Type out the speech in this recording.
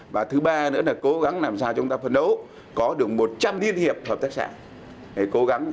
và thứ ba nữa là cố gắng làm sao chúng ta phấn đấu có được một trăm linh liên hiệp hợp tác xã cố gắng